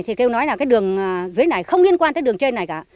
thì kêu nói là cái đường dưới này không liên quan tới đường trên này cả